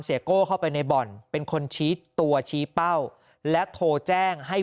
โก้เข้าไปในบ่อนเป็นคนชี้ตัวชี้เป้าและโทรแจ้งให้